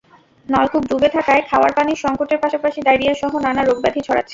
নলকূপ ডুবে থাকায় খাওয়ার পানির সংকটের পাশাপাশি ডায়রিয়াসহ নানা রোগব্যাধি ছড়াচ্ছে।